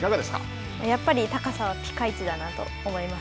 やっぱり高さはぴかいちだなと思います。